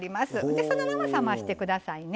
でそのまま冷まして下さいね。